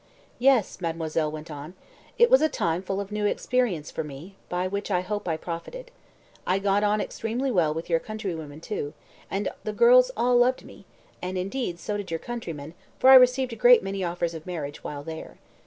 "Yes," mademoiselle went on, "it was a time full of new experiences for me, by which I hope I profited. I got on extremely well with your countrywomen, too, and the girls all loved me, and, indeed, so did your countrymen, for I received a great many offers of marriage while there.